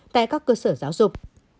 tại các cơ sở giáo dục